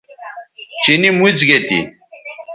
چینی موڅ گے تھی